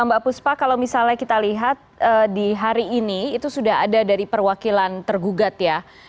mbak puspa kalau misalnya kita lihat di hari ini itu sudah ada dari perwakilan tergugat ya